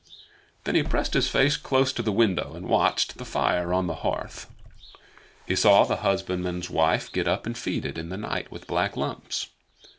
Then he pressed his face close to the window and watched the fire on the hearth. He saw the husbandman's wife get up and feed it in the night with black lumps.